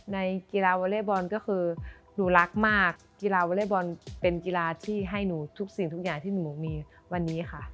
ในกีฬาวอเล็กบอลก็คือหนูรักมากกีฬาวอเล็กบอลเป็นกีฬาที่ให้หนูทุกสิ่งทุกอย่างที่หนูมีวันนี้ค่ะ